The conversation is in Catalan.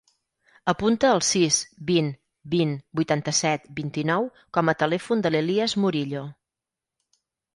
Apunta el sis, vint, vint, vuitanta-set, vint-i-nou com a telèfon de l'Elías Murillo.